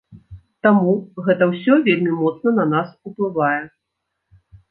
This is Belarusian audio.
Таму гэта ўсё вельмі моцна на нас уплывае.